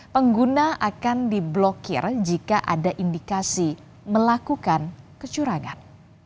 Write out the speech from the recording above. pengguna akan diblokir jika ada indikasi melakukan kecurangan